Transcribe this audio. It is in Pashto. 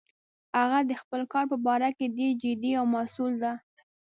هغه د خپل کار په باره کې ډیر جدي او مسؤل ده